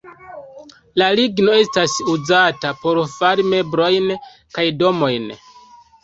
La ligno estas uzata por fari meblojn kaj domojn.